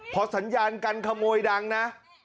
พอสัญญาการขโมยดังนะ